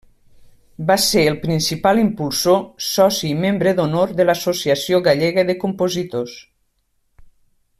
Va ser el principal impulsor, soci i membre d'honor de l'Associació Gallega de Compositors.